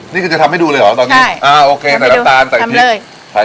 นี่คือจะทำให้ดูเลยเหรอตอนนี้อ่าโอเคใส่น้ำตาลใส่พริก